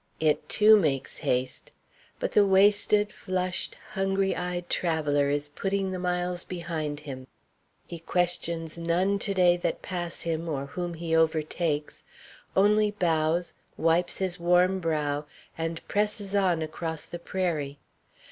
It, too, makes haste. But the wasted, flushed, hungry eyed traveller is putting the miles behind him. He questions none to day that pass him or whom he overtakes; only bows, wipes his warm brow, and presses on across the prairie.